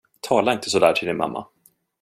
Tala inte så där till din mamma!